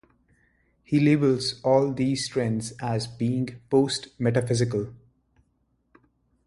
He labels all these trends as being "post-metaphysical".